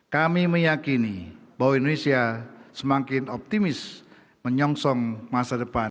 kami meyakini bahwa indonesia semakin optimis menyongsong masa depan